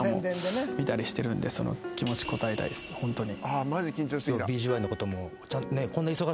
ホントに。